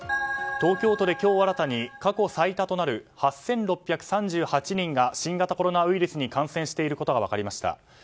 東京都で今日新たに過去最多となる８６３８人が新型コロナウイルスに感染していることが分かりました。